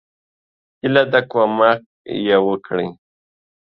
هیله ده کومک یی وکړي.